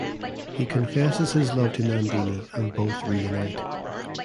He confesses his love to Nandini and both reunite.